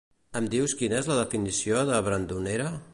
Em dius quina és la definició de brandonera?